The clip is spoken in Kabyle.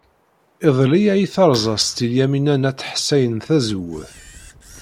Iḍelli ay terẓa Setti Lyamina n At Ḥsayen tazewwut.